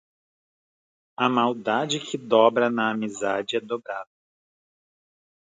A maldade que dobra na amizade é dobrada.